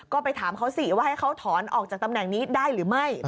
ก็ไปถามเขาสิว่าให้เขาถอนออกจากตำแหน่งนี้ได้หรือไม่